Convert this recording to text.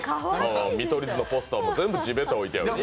見取り図のポスターも全部地べたに置いてある。